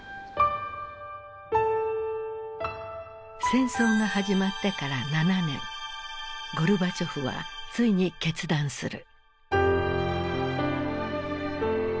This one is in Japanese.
戦争が始まってから７年ゴルバチョフはついに決断する。